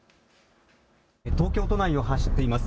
東京都内を走っています。